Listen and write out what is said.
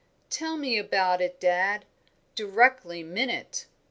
"Tell me all about it, dad, directly minute."